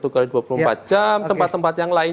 satu kali dua puluh empat jam tempat tempat yang lain